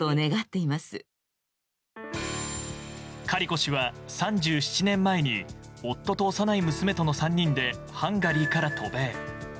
カリコ氏は、３７年前に夫と幼い娘との３人でハンガリーから渡米。